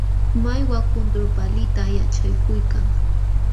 Mallwa kuntur paalita yaćhakuykan.